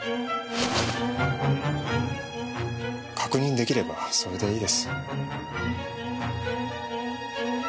確認できればそれでいいですよ。